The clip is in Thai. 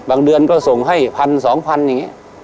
เดือนก็ส่งให้พันสองพันอย่างนี้